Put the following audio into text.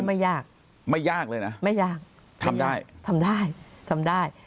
ไม่ยากไม่ยากเลยนะทำได้